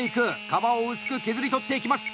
皮を薄く削り取っていきます。